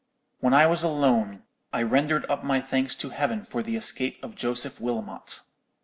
"When I was alone, I rendered up my thanks to Heaven for the escape of Joseph Wilmot.